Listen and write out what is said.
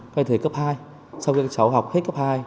các thầy cấp hai sau khi các cháu học hết cấp hai